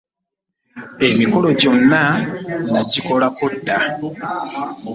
Emikolo gyonna nagikolako dda.